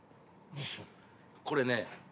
これね